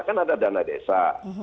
kan ada dana desa